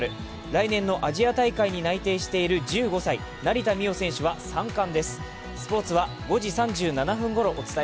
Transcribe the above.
来年のアジア大会に内定している１５歳・成田実生選手は３冠です。